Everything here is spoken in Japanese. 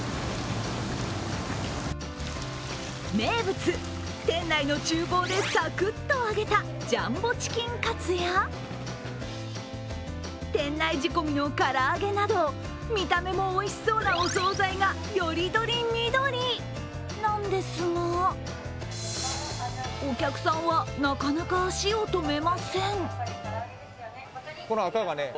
名物、店内の厨房でサクッと揚げたジャンボチキンカツや、店内仕込みの唐揚げなど、見た目もおいしそうなお総菜がより取り見取りなんですがお客さんはなかなか足を止めません。